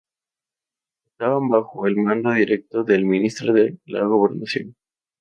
Estaban bajo el mando directo del ministro de la Gobernación.